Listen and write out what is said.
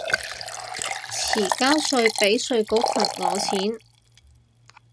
遲交稅被稅局罰我錢